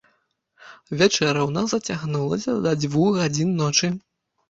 Вячэра ў нас зацягнулася да дзвюх гадзін ночы.